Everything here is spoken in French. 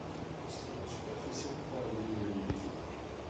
L’historien superficiel croit à l’immuabilité.